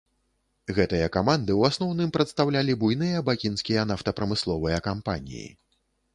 Гэтыя каманды ў асноўным прадстаўлялі буйныя бакінскія нафтапрамысловыя кампаніі.